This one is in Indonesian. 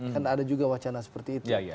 kan ada juga wacana seperti itu